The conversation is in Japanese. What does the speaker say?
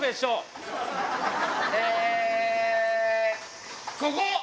えー、ここ！